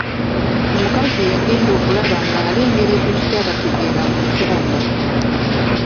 Omukazi yagenda okulaba nga alengera ekintu ky'atategeera mu nsonda.